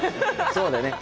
そうだね。